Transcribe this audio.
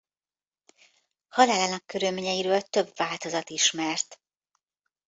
Halálának körülményeiről több változat ismert.